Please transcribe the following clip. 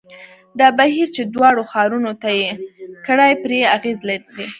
دا بهیر چې دواړو ښارونو طی کړې پرې اغېز لري.